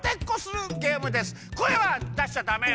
こえはだしちゃダメよ。